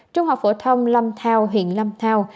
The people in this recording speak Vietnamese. trung học phổ thông lâm thao huyện lâm thao